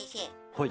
はい。